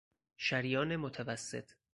شریان متوسط